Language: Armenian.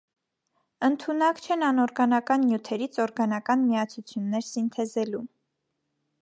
Ընդունակ չեն անօրգանական նյութերից օրգանական միացություններ սինթեզելու։